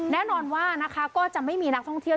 แน่นอนว่านะคะก็จะไม่มีนักท่องเที่ยว